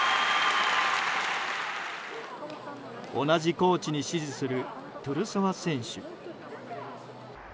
同じコーチに師事するトゥルソワ選手。